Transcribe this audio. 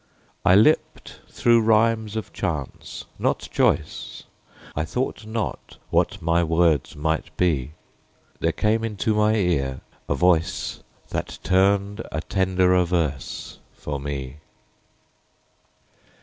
I lipped rough rhymes of chance, not choice, I thought not what my words might be; There came into my ear a voice That turned a tenderer verse for me.